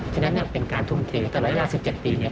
ฉะนั้นนั่นเป็นการทุ่มเทตะละยา๑๗ปีเนี่ย